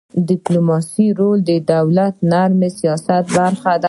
د ډيپلوماسی رول د دولت د نرم سیاست برخه ده.